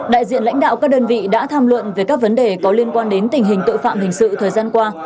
đại diện lãnh đạo các đơn vị đã tham luận về các vấn đề có liên quan đến tình hình tội phạm hình sự thời gian qua